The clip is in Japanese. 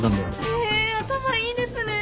へぇ頭いいんですね！